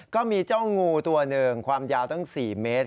ก็มีเจ้างูตัวหนึ่งความยาวตั้ง๔เมตร